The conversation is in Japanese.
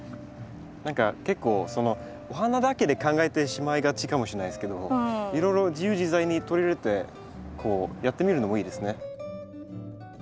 何か結構お花だけで考えてしまいがちかもしれないですけどいろいろ自由自在に取り入れてこうやってみるのもいいですね。